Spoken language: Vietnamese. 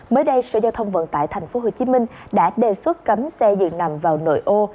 mới đây sở giao thông vận tải tp hcm đã đề xuất cấm xe dường nằm vào nội ô